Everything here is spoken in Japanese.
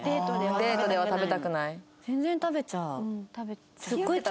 デートでは食べたくない。